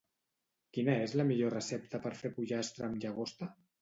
Quina és la millor recepta per fer pollastre amb llagosta?